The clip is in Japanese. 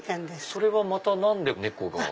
それはまた何で猫が。